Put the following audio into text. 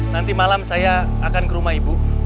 nanti malam saya akan ke rumah ibu